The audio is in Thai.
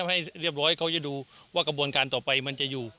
ให้เรียบร้อยเขาจะดูว่ากระบวนการต่อไปมันจะอยู่